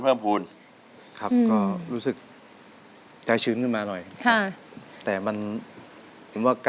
เป็นความสุข